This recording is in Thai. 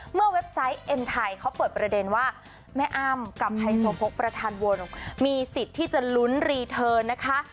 เว็บไซต์เอ็มไทยเขาเปิดประเด็นว่าแม่อ้ำกับไฮโซโพกประธานวนมีสิทธิ์ที่จะลุ้นรีเทิร์นนะคะ